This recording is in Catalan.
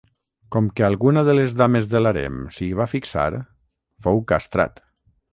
Com que alguna de les dames de l'harem s'hi va fixar, fou castrat.